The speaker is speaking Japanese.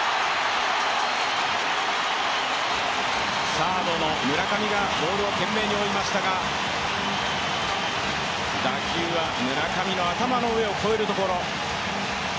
サードの村上がボールを懸命に追いましたが、打球は村上の頭の上を越えるところ。